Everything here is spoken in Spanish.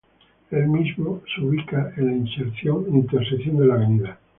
El mismo se ubica en la intersección de la Av.